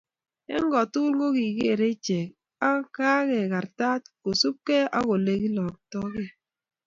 eng kotugul kokigeerei ichek ak kekartat kosubkei ak ole oloktogei